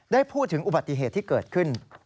ได้พูดถึงอุบัติเหตุที่เกิดขึ้น